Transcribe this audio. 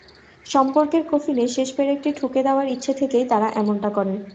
সম্পর্কের কফিনে শেষ পেরেকটি ঠুকে দেওয়ার ইচ্ছে থেকেই তাঁরা এমনটা করেন।